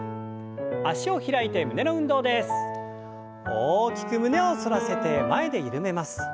大きく胸を反らせて前で緩めます。